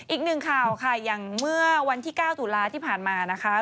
อีกหนึ่งข่าวค่ะอย่างเมื่อวันที่๙ตุลาที่ผ่านมานะคะ